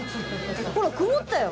ほら曇ったよ。